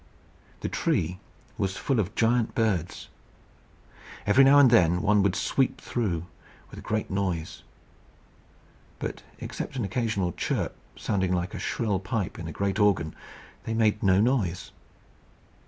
The tree was full of giant birds. Every now and then, one would sweep through, with a great noise. But, except an occasional chirp, sounding like a shrill pipe in a great organ, they made no noise.